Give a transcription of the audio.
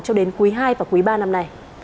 cho đến cuối hai và cuối ba năm nay